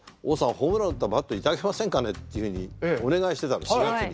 ホームラン打ったバット頂けませんかね」っていうふうにお願いしてたんです４月に。